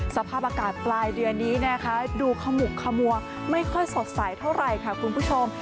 สภาพอากาศปลายเดือนนี้นะคะดูขมุกขมัวไม่ค่อยสดใสเท่าไหร่ค่ะคุณผู้ชม